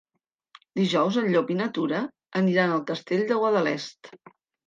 Dijous en Llop i na Tura aniran al Castell de Guadalest.